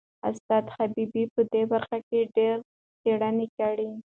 استاد حبیبي په دې برخه کې ډېرې څېړنې کړي.